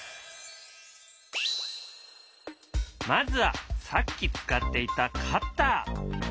まずはさっき使っていたカッター。